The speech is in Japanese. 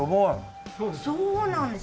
そうなんです。